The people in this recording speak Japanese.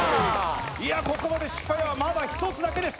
ここまで失敗はまだ１つだけです。